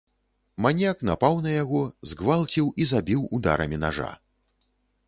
Маньяк напаў на яго, згвалціў і забіў ударамі нажа.